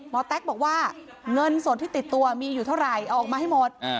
แต๊กบอกว่าเงินส่วนที่ติดตัวมีอยู่เท่าไหร่เอาออกมาให้หมด